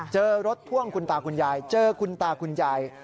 เจอรถพ่วงคุณตาคุณยายเจอคุณตาคุณยาย